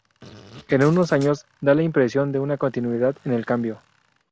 En unos años, da la impresión de una continuidad en el cambio.